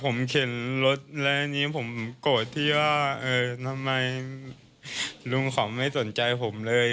ผมเข็นรถแล้วอันนี้ผมโกรธที่ว่าเออทำไมลุงเขาไม่สนใจผมเลย